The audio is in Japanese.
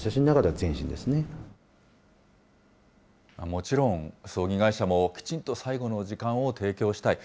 もちろん葬儀会社もきちんと最後の時間を提供したい。